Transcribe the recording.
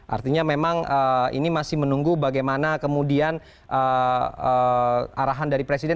artinya memang ini masih menunggu bagaimana kemudian arahan dari presiden